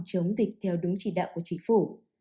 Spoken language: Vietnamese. chống dịch theo đúng chỉ đạo của chính phủ